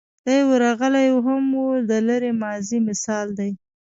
دی ورغلی و هم د لرې ماضي مثال دی.